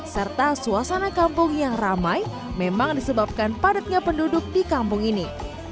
serta suasana kampung yang ramai memang disebabkan padatnya penduduk di kampung ini